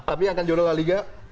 tapi yang akan jodoh la liga